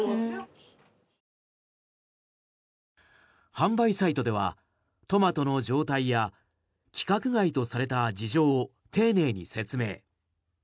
販売サイトではトマトの状態や規格外とされた事情を丁寧に説明。